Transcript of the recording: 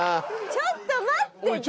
ちょっと待って。